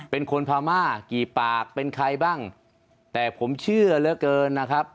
เป็นคนพม่ากี่ปากเป็นใครบ้างแต่ผมเชื่อเหลือเกินนะครับ